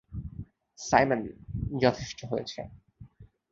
Simon, যথেষ্ট হয়েছে!